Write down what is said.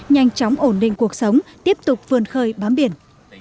nhanh chóng ổn định cuộc sống tiếp tục vươn khơi bám biển